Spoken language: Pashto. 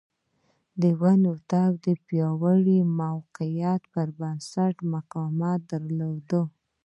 د ونې تنه د پیاوړي موقعیت پر بنسټ مقاومت درلود.